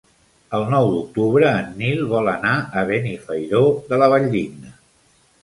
El nou d'octubre en Nil vol anar a Benifairó de la Valldigna.